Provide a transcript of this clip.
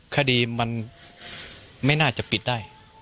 คดีมันไม่น่าจะปิดได้